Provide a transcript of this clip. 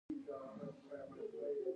د نړۍ وګړي بیلابیلې هیلې او غوښتنې لري